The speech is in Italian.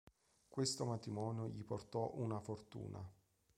Questo matrimonio gli portò una fortuna.